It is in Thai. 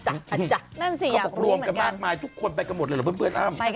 อัจจักนั่นสิอยากรู้เหมือนกัน